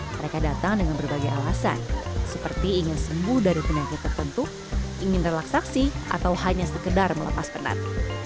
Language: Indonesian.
mereka datang dengan berbagai alasan seperti ingin sembuh dari penyakit tertentu ingin relaksasi atau hanya sekedar melepas penat